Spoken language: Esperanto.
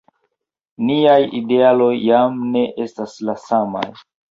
Niaj idealoj jam ne estas la samaj.